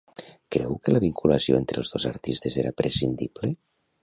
Creu que la vinculació entre els dos artistes era prescindible?